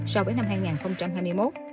so với năm hai nghìn hai mươi một